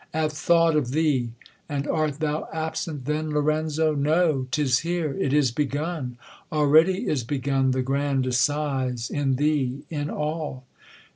At thought of thee ! And art tiiou absent then, LORENZO ! no ; 'tis here ; it is begun ; Already is begun the grand assize, In thee, in all.